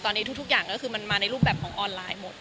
ตอนนี้ทุกอย่างก็คือมันมาในรูปแบบของออนไลน์หมด